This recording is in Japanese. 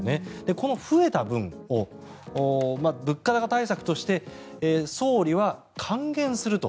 この増えた分を物価高対策として総理は還元すると。